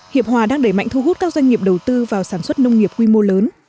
hiệp hòa đang đẩy mạnh thu hút các doanh nghiệp đầu tư vào sản xuất nông nghiệp quy mô lớn